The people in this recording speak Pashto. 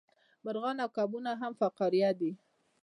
مارغان او کبونه هم فقاریه دي